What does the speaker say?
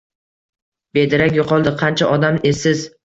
Bedarak yo’qoldi qancha odam, esiz